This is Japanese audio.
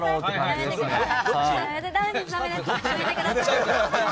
やめてください！